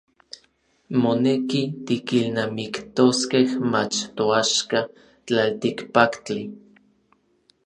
Moneki tikilnamiktoskej mach toaxka tlaltikpaktli.